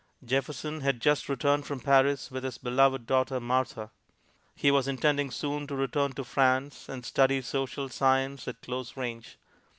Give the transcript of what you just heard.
Jefferson had just returned from Paris with his beloved daughter, Martha. He was intending soon to return to France and study social science at close range.